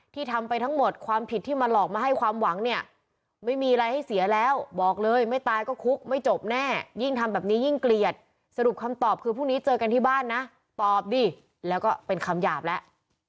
ทำไปทั้งหมดความผิดที่มาหลอกมาให้ความหวังเนี่ยไม่มีอะไรให้เสียแล้วบอกเลยไม่ตายก็คุกไม่จบแน่ยิ่งทำแบบนี้ยิ่งเกลียดสรุปคำตอบคือพรุ่งนี้เจอกันที่บ้านนะตอบดิแล้วก็เป็นคำหยาบแล้ว